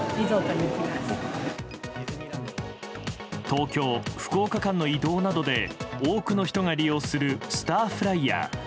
東京福岡間の移動などで多くの人が利用するスターフライヤー。